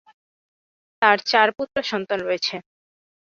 তার চার পুত্র সন্তান রয়েছে।